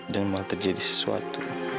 dan malah terjadi sesuatu